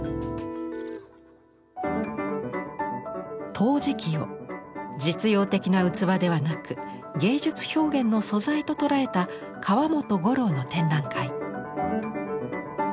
陶磁器を実用的な器ではなく芸術表現の素材と捉えた河本五郎の展覧会。